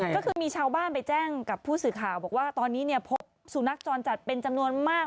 ก็คือมีชาวบ้านไปแจ้งกับผู้สิข่าวว่าตอนนี้พบศูนักจรจัดเป็นจำนวนมาก